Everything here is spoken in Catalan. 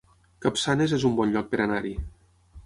Capçanes es un bon lloc per anar-hi